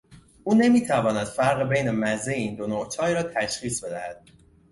او نمیتواند فرق بین مزهی این دو نوع چای را تشخیص بدهد.